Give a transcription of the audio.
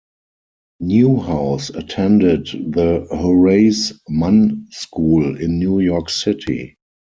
Newhouse attended the Horace Mann School in New York City.